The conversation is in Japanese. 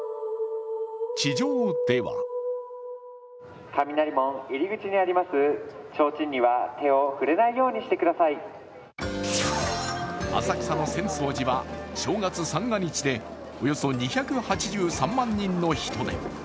地上では浅草の浅草寺は正月三が日でおよそ２８３万人の人出。